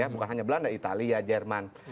bukan hanya belanda italia jerman